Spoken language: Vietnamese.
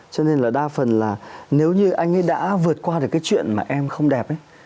cho nên là đa phần là nếu như anh ấy đã vượt qua được cái chuyện mà em không đẹp ấy